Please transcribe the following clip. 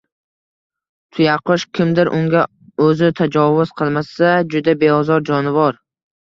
Tuyaqush kimdir unga o‘zi tajovuz qilmasa, juda beozor jonivor.